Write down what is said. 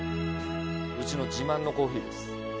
うちの自慢のコーヒーです。